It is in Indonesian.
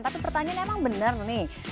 tapi pertanyaan emang benar nih